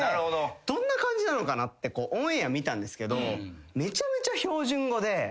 どんな感じなのかなってオンエア見たんですけどめちゃめちゃ標準語で。